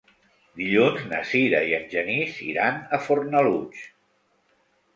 Dilluns na Sira i en Genís iran a Fornalutx.